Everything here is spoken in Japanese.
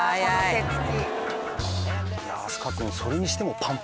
いや阿須加君それにしても。